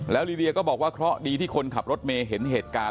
ลีเดียก็บอกว่าเคราะห์ดีที่คนขับรถเมย์เห็นเหตุการณ์